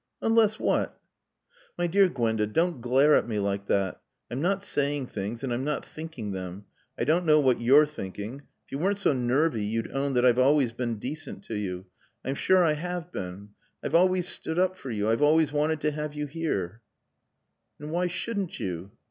"Unless what?" "My dear Gwenda, don't glare at me like that. I'm not saying things and I'm not thinking them. I don't know what you're thinking. If you weren't so nervy you'd own that I've always been decent to you. I'm sure I have been. I've always stood up for you. I've always wanted to have you here " "And why shouldn't you?"